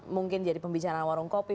mungkin jadi pembicaraan warung kopi